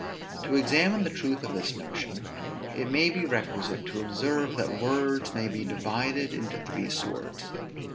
To examine the truth of this notion, it may be requisite to observe that words may be divided into three sorts.